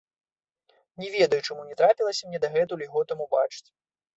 Не ведаю, чаму не трапілася мне дагэтуль яго там убачыць.